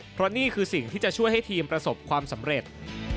เพราะนี่คือสิ่งที่จะช่วยให้ทีมประสบความสำเร็จ